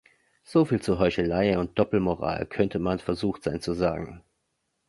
So viel zu Heuchelei und Doppelmoral, könnte man versucht sein zu sagen.